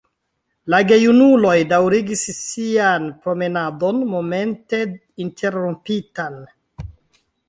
La gejunuloj daŭrigis sian promenadon momente interrompitan.